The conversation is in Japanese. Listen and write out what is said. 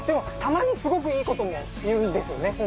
たまにすごくいいことも言うんですよね